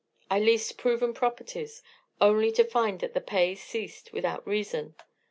I leased proven properties, only to find that the pay ceased without reason.